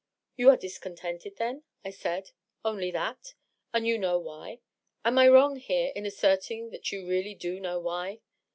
" You are discontented, then ?" I said. ^^ Only that. And you know why. .. Am I wrong, here, in asserting that you really do know why?"